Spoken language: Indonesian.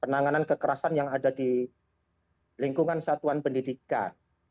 penanganan kekerasan yang ada di lingkungan satuan pendidikan